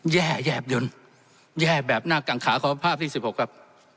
แย่แย่บหยุ่นแย่แบบหน้ากลางขาขอบภาพที่สิบหกครับ